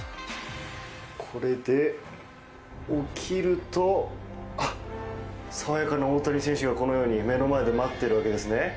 これで起きると爽やかな大谷選手がこのように目の前で待っているわけですね。